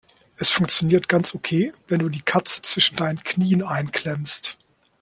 Es funktioniert ganz okay, wenn du die Katze zwischen deinen Knien einklemmst.